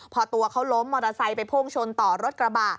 พอตัวเขาล้มมอเตอร์ไซค์ไปพุ่งชนต่อรถกระบะ